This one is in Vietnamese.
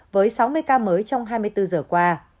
với sáu mươi ca mới trong hai mươi bốn giờ qua